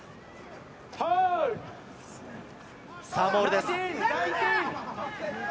モールです。